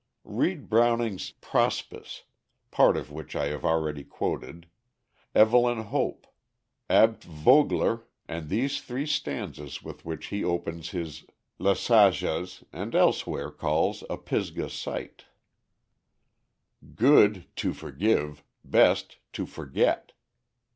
Read Browning's Prospice, part of which I have already quoted, Evelyn Hope, Abt Vogler, and these three stanzas with which he opens his La Saziaz, and elsewhere calls a Pisgah Sight: "Good, to forgive: Best, to forget!